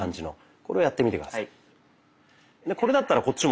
これをやってみて下さい。